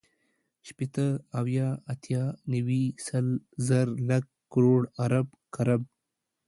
شپېته، اويا، اتيا، نيوي، سل، زر، لک، کروړ، ارب، کرب